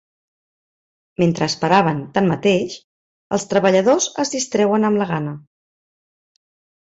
Mentre esperaven, tanmateix, els treballadors es distreuen amb la gana.